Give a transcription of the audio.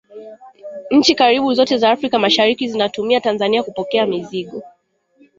nchi karibu zote za africa mashariki zinatumia tanzania kupokea mizigo